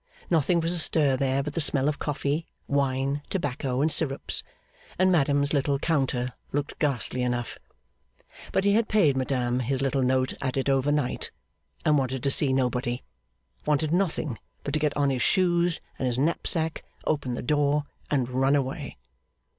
Nothing was astir there but the smell of coffee, wine, tobacco, and syrups; and madame's little counter looked ghastly enough. But he had paid madame his little note at it over night, and wanted to see nobody wanted nothing but to get on his shoes and his knapsack, open the door, and run away.